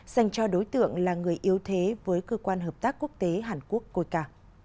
dành cho đối tượng là người yếu thế với cơ quan hợp tác quốc tế hàn quốc coica